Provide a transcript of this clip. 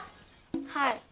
はい。